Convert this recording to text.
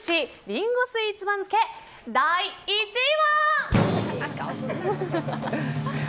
リンゴスイーツ番付第１位は。